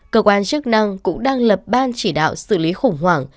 cơ quan chức năng cũng đang lập ban chỉ đạo xử lý khủng hoảng